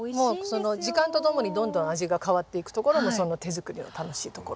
時間とともにどんどん味が変わっていくところも手作りの楽しいところ。